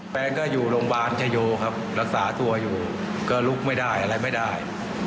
แฟนก็อยู่โรงพยาบาลชโยครับรักษาตัวอยู่ก็ลุกไม่ได้อะไรไม่ได้